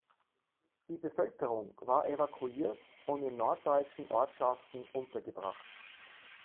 Die Bevölkerung war evakuiert und in norddeutschen Ortschaften untergebracht.